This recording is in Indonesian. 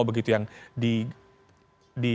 begitu yang dikandalkan